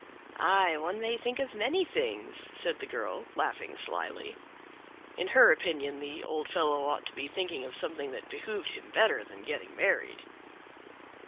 "Aye! one may think of many things," said the girl, laughing slyly. In her opinion the old fellow ought to be thinking of something that behooved him better than getting married.